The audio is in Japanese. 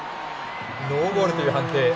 ノーゴールという判定。